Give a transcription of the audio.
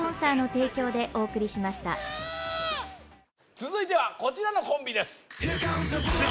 続いてはこちらのコンビです